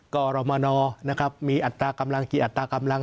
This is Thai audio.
กรมนนะครับมีอัตรากำลังกี่อัตรากำลัง